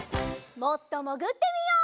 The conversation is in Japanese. もっともぐってみよう。